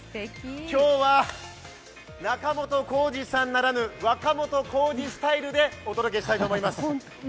今日は、仲本工事さんならぬ、若本工事スタイルでお届けしたいと思います。